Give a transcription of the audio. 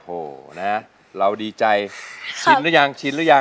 โธ่นะเราดีใจชินหรือยัง